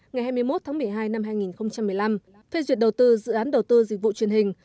ngày hai mươi một tháng một mươi hai năm hai nghìn một mươi năm phê duyệt đầu tư dự án đầu tư dịch vụ truyền hình